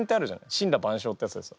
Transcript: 「森羅万象」ってやつですよ。